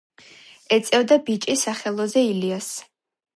ეწეოდა ბიჭი სახელოზე ილიას.